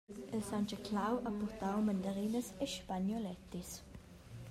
Il Sontgaclau ha purtau mandarinas e spagnolettis.